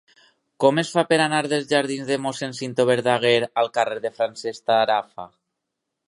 Com es fa per anar dels jardins de Mossèn Cinto Verdaguer al carrer de Francesc Tarafa?